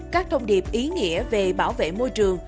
các thông điệp ý nghĩa về bảo vệ môi trường